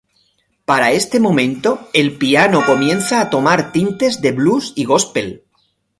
Para este momento, el piano comienza a tomar tintes de blues y gospel.